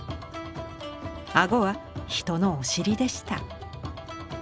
顎は人のお尻でした。